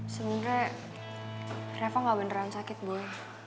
sebenernya reva gak beneran sakit boy